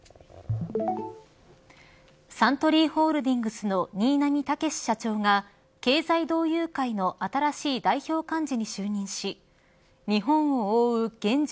サントリーホールディングスの新浪剛史社長が経済同友会の新しい代表幹事に就任し日本を覆う現状